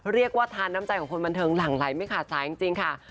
เรียกว่าทานน้ำใจของคนบันเทิงหลั่งไหลไม่ขาดสายจริงค่ะ